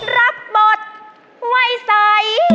รับบทไว้ใส